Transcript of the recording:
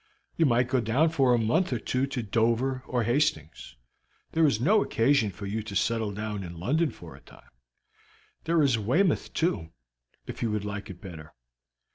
You might go down for a month or two to Dover or Hastings. There is no occasion for you to settle down in London for a time. There is Weymouth, too, if you would like it better.